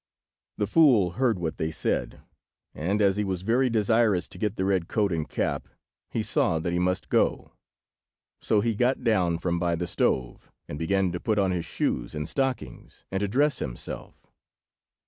The fool heard what they said, and, as he was very desirous to get the red coat and cap, he saw that he must go. So he got down from by the stove, and began to put on his shoes and stockings, and to dress himself.